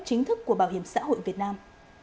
chính thức của bảo hiểm xã hội việt nam